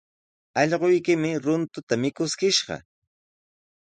Allquykimi runtuta mikuskishqa.